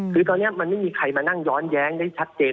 คือตอนนี้มันไม่มีใครมานั่งย้อนแย้งได้ชัดเจน